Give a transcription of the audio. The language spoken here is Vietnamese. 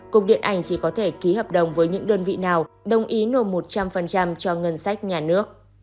cục điện ảnh chỉ có thể ký hợp đồng với những đơn vị nào đồng ý nộp một trăm linh cho ngân sách nhà nước